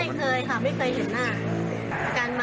ไม่เคยค่ะไม่เคยเห็นหน้า